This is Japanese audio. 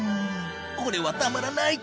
これはたまらない！